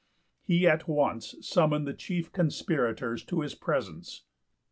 He at once summoned the chief conspirators to his presence.